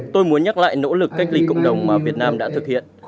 tôi muốn nhắc lại nỗ lực cách ly cộng đồng mà việt nam đã thực hiện